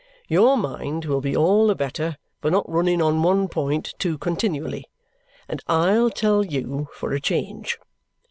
"Your mind will be all the better for not running on one point too continually, and I'll tell you for a change.